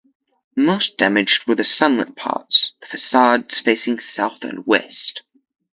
Most damaged were the sunlit parts, the facades facing south and west.